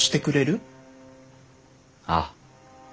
ああ。